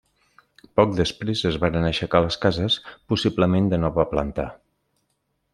Poc després es varen aixecar les cases, possiblement de nova planta.